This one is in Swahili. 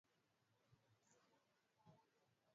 Usitumie samadi ya mbwa au paka